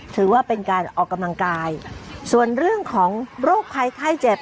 ถือว่าเป็นการออกกำลังกายส่วนเรื่องของโรคภัยไข้เจ็บ